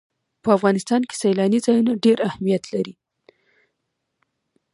په افغانستان کې سیلانی ځایونه ډېر اهمیت لري.